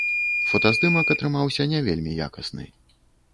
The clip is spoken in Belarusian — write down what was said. Фотаздымак атрымаўся не вельмі якасны.